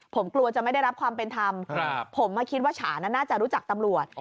ผมกลัวจะไม่ได้รับความเป็นธรรมผมคิดว่าฉานั้นน่าจะรู้จักตำรวจ